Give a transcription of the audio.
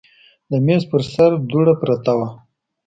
د میز پر سر دوړه پرته وه.